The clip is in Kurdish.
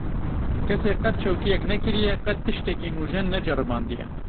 Kesê qet çewtiyek nekiriye, qet tiştekî nûjen neceribandiye.